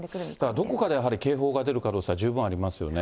どこかでやはり警報が出る可能性は十分ありますよね。